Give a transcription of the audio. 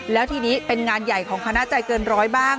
แล้วทีนี้เป็นงานใหญ่ของคณะใจเกินร้อยบ้าง